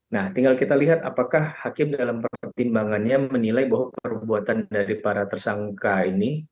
nah tinggal kita lihat apakah hakim dalam pertimbangannya menilai bahwa perbuatan dari para tersangka ini